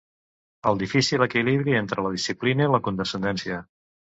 El difícil equilibri entre la disciplina i la condescendència.